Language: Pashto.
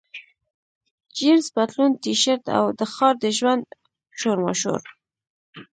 جینس پتلون، ټي شرټ، او د ښار د ژوند شورماشور.